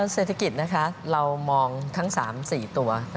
เศรษฐกิจเรามองทั้ง๓๔ตัว